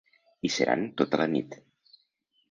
Hi seran tota la nit.